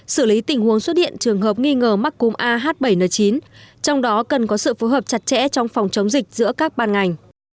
xử lý tình huống xuất hiện trường hợp nghi ngờ mắc cúm ah bảy n chín trong đó cần có sự phối hợp chặt chẽ trong phòng chống dịch giữa các ban ngành